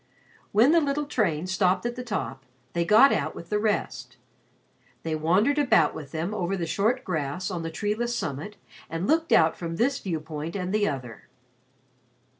When the little train stopped at the top, they got out with the rest. They wandered about with them over the short grass on the treeless summit and looked out from this viewpoint and the other.